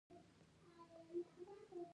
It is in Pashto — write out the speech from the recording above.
سمدستي يې د مينې سرو سترګو ته پام شو.